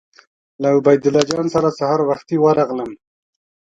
له عبیدالله جان سره سهار وختي ورغلم.